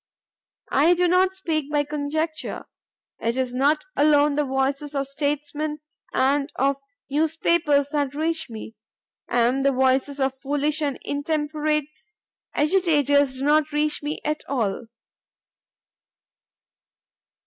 I do not speak by conjecture. It is not alone the voices of statesmen and of newspapers that reach me, and the voices of foolish and intemperate agitators do not reach me at all!